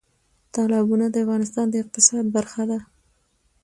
تالابونه د افغانستان د اقتصاد برخه ده.